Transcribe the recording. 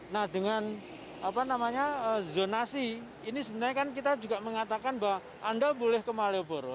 nah dengan zonasi ini sebenarnya kan kita juga mengatakan bahwa anda boleh ke malioboro